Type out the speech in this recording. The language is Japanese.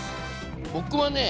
僕はね